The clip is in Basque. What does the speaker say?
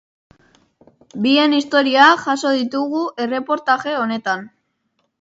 Bien historiak jaso ditugu erreportaje honetan.